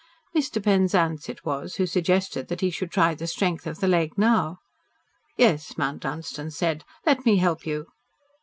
Mr. Penzance it was who suggested that he should try the strength of the leg now. "Yes," Mount Dunstan said. "Let me help you."